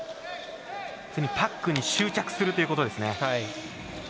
パックに執着するということですね。